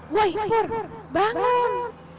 woy pur bangun